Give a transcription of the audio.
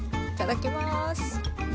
いただきます。